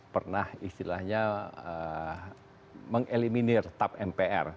pernah istilahnya mengeliminir tap mpr